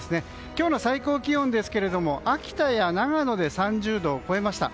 今日の最高気温ですけれども秋田や長野で３０度を超えました。